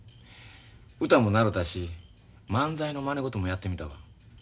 歌も習うたし漫才のまね事もやってみたわ。